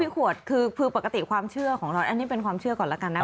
ขวดคือปกติความเชื่อของเราอันนี้เป็นความเชื่อก่อนแล้วกันนะ